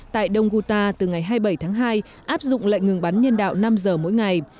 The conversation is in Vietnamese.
tại đông guta từ ngày hai mươi bảy tháng hai áp dụng lệnh ngừng bắn nhân đạo năm giờ mỗi ngày